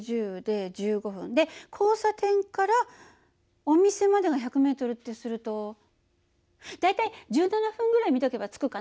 で交差点からお店までが１００ｍってすると大体１７分ぐらい見とけば着くかな。